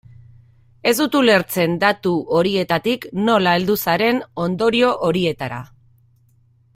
Ez dut ulertzen datu horietatik nola heldu zaren ondorio horietara.